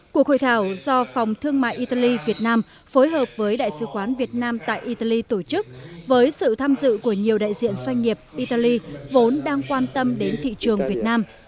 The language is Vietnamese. cuộc hội thảo do phòng thương mại italy việt nam phối hợp với đại sứ quán việt nam tại italy tổ chức với sự tham dự của nhiều đại diện doanh nghiệp italy vốn đang quan tâm đến thị trường việt nam